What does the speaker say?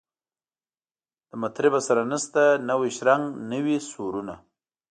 له مطربه سره نسته نوی شرنګ نوي سورونه